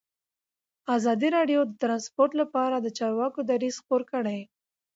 ازادي راډیو د ترانسپورټ لپاره د چارواکو دریځ خپور کړی.